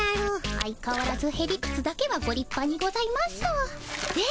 相かわらずへりくつだけはごりっぱにございます。